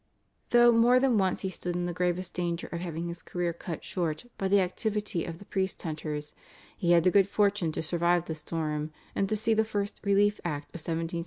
Though more than once he stood in the gravest danger of having his career cut short by the activity of the priest hunters, he had the good fortune to survive the storm and to see the First Relief Act of 1778 placed upon the statute book.